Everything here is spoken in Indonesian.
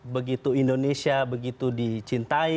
begitu indonesia begitu dicintai